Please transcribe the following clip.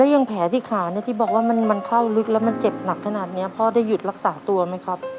ยังแผลที่ขาที่บอกว่ามันเข้าลึกแล้วมันเจ็บหนักขนาดนี้พ่อได้หยุดรักษาตัวไหมครับ